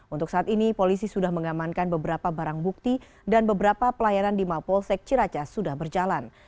untuk saat ini polisi sudah mengamankan beberapa barang bukti dan beberapa pelayanan di mapolsek ciracas sudah berjalan